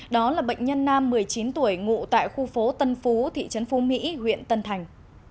đó là bệnh nhân nam một mươi chín tuổi ngụ tại khu phố tân phú thị trấn phú mỹ huyện tân thành